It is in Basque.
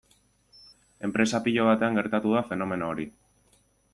Enpresa pilo batean gertatu da fenomeno hori.